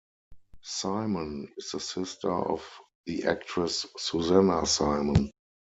Simon is the sister of the actress Susanna Simon.